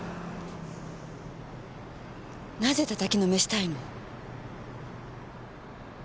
なぜ叩きのめしたいの？